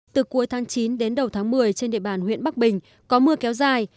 từ cuối tháng chín đến đầu tháng một mươi trên địa bàn huyện bắc bình có mưa kéo dài